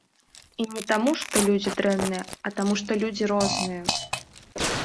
І не таму, што людзі дрэнныя, а таму, што людзі розныя.